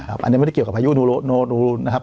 อ่าอันนี้ไม่ได้เกี่ยวกับภายุโนโลครูอยู่นะครับ